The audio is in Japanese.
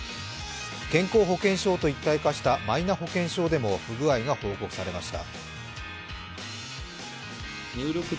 健康保険証と一体化したマイナ保険証でも不具合が報告されました。